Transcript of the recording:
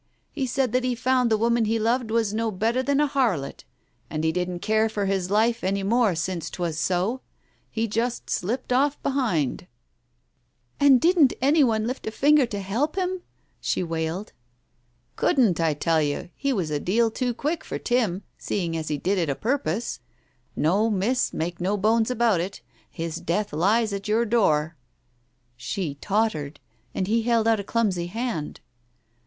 He said that he found the woman he loved was no better than a harlot, and he didn't care for his life any more since 'twas so. He just slipped off behind " Digitized by Google THE BLUE BONNET 181 "And didn't any one lift a finger to help him?" she wailed. "Couldn't, I tell you, he was a deal too quick for Tim, seeing as he did it o' purpose. No, Miss, make no bones about it, his death lies at your door." She tottered, and he held out a clumsy hand.